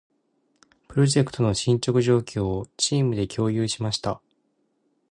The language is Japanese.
プロジェクトの進捗状況を、チームで共有しました。